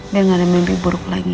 dia gak ada mimpi buruk lagi